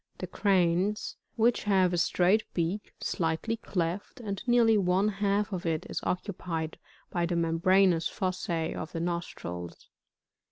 The Cranes, which have a straight beak, slightly clefl» and nearly one half of it is occupied by the membranous fossae of the nostrils.